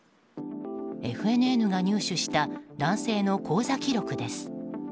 ＦＮＮが入手した男性の口座記録です。